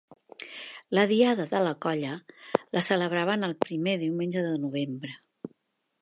La Diada de la Colla la celebraven el primer diumenge de novembre.